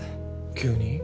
急に？